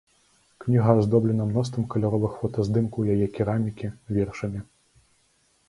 Кніга аздоблена мноствам каляровых фотаздымкаў яе керамікі, вершамі.